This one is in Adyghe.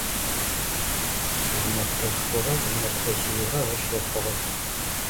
Зы мэтэшхорэ зы мэтэжъыерэ ащ ыхьыгъэх.